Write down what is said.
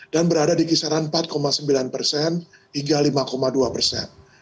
dan berada di kisaran empat sembilan persen hingga lima dua persen